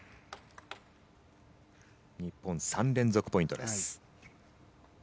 日本３連続ポイントです。